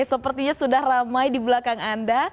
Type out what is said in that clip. sepertinya sudah ramai di belakang anda